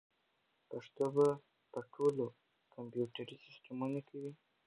پښتو به په ټولو کمپیوټري سیسټمونو کې وي.